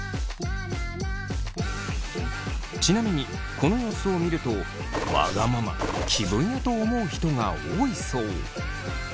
ちなみにこの様子を見るとわがまま気分屋と思う人が多いそう。